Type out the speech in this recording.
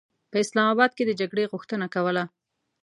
په اسلام اباد کې د جګړې غوښتنه کوله.